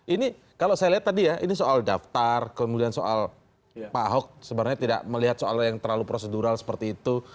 ini kalau saya lihat tadi ya ini soal daftar kemudian soal pak ahok sebenarnya tidak melihat soal yang terlalu prosedural seperti itu